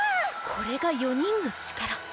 これが４人の力。